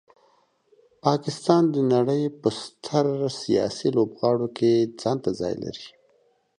پاکستان د نړۍ په ستر سیاسي لوبغاړو کې ځانته ځای لري.